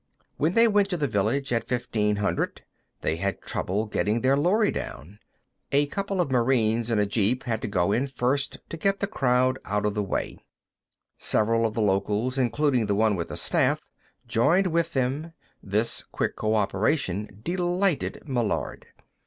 When they went to the village, at 1500, they had trouble getting their lorry down. A couple of Marines in a jeep had to go in first to get the crowd out of the way. Several of the locals, including the one with the staff, joined with them; this quick co operation delighted Meillard.